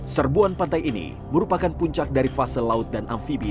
serbuan pantai ini merupakan puncak dari fase laut dan amfibi